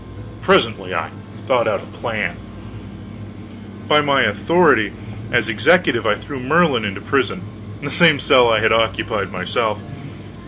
I presently thought out a plan. By my authority as executive I threw Merlin into prison the same cell I had occupied myself.